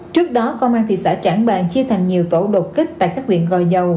trước đó công an thị xã trảng bàng chia thành nhiều tổ đột kích tại các nguyện gòi dầu